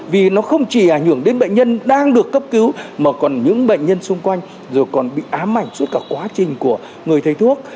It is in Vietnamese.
vì nó không chỉ ảnh hưởng đến bệnh nhân đang được cấp cứu mà còn những bệnh nhân xung quanh rồi còn bị ám ảnh suốt cả quá trình của người thầy thuốc